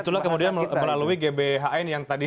itulah kemudian melalui gbhn yang tadi